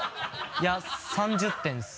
いや３０点です。